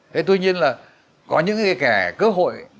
thế tuy nhiên là có những cái cơ hội